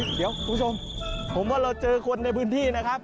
เดี๋ยวคุณผู้ชมผมว่าเราเจอคนในพื้นที่นะครับ